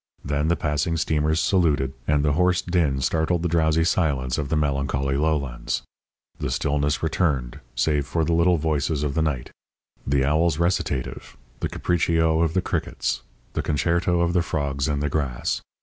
Then the passing steamers saluted, and the hoarse din startled the drowsy silence of the melancholy lowlands. The stillness returned, save for the little voices of the night the owl's recitative, the capriccio of the crickets, the concerto of the frogs in the grass.